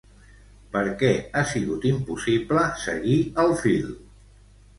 Per què ha sigut impossible seguir el fil?